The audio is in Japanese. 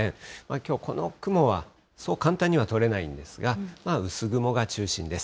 きょう、この雲はそう簡単には取れないんですが、薄雲が中心です。